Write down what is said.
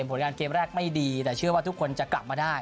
ผลงานเกมแรกไม่ดีแต่เชื่อว่าทุกคนจะกลับมาได้